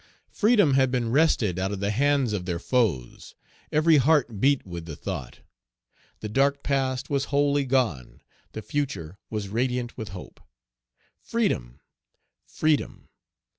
Freedom had been wrested out of the hands of their foes. Every heart beat with the thought. The dark past was wholly gone; the future was radiant with hope. "Freedom! freedom!"